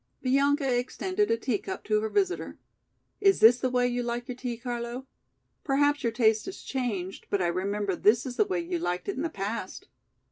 Bianca extended a tea cup to her visitor. "Is this the way you like your tea, Carlo? Perhaps your taste has changed, but I remember this is the way you liked it in the past."